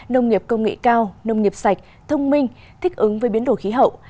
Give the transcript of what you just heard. nông nghiệp công nghệ cao nông nghiệp sạch thông minh thích ứng với biến đổi khí hậu